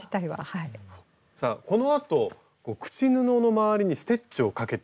さあこのあと口布の周りにステッチをかけていく。